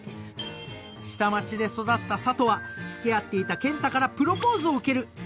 ［下町で育った佐都は付き合っていた健太からプロポーズを受ける。